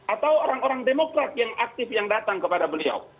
atau orang orang demokrat yang aktif yang datang kepada beliau